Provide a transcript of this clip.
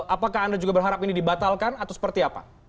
apakah anda juga berharap ini dibatalkan atau seperti apa